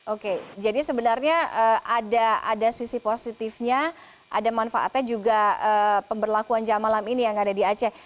oke jadi sebenarnya ada sisi positifnya ada manfaatnya juga pemberlakuan jam malam ini yang ada di aceh